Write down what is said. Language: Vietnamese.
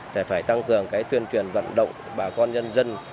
để phải tăng cường tuyên truyền vận động bà con dân dân